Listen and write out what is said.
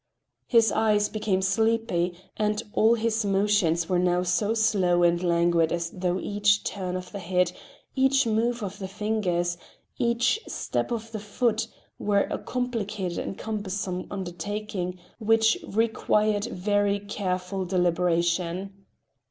His eyes became sleepy, and all his motions were now so slow and languid as though each turn of the head, each move of the fingers, each step of the foot were a complicated and cumbersome undertaking which required very careful deliberation.